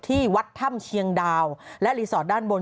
ที่วัดถ้ำเชียงดาวและรีสอร์ทด้านบน